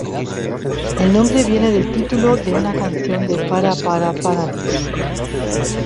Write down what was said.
El nombre viene del título de una canción de Para Para Paradise.